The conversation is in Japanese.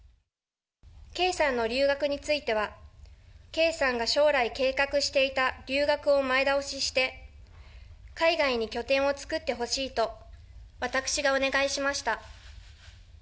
圭さんの留学については、圭さんが将来、計画していた留学を前倒しして、海外に拠点を作ってほしいと、私がお願いしました。